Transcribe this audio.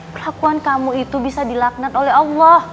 perlakuan kamu itu bisa dilaknat oleh allah